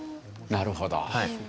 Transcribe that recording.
なるほど。